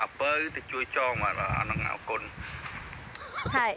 はい。